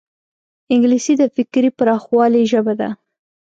انګلیسي د فکري پراخوالي ژبه ده